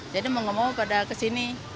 jadi mau mau pada kesini